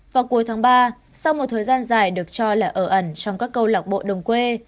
vào cuối tháng ba sau một thời gian dài được cho là ở ẩn trong các câu lạc bộ đồng quê